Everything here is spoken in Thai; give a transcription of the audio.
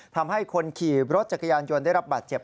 ทำให้คนขี่รถจักรยานยนต์ได้รับบาดเจ็บ